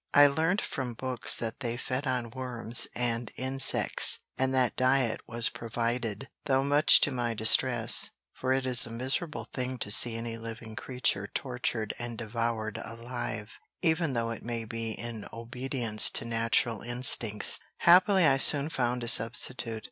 I learnt from books that they fed on worms and insects, and that diet was provided, though much to my distress, for it is a miserable thing to see any living creature tortured and devoured alive, even though it may be in obedience to natural instincts. Happily I soon found a substitute.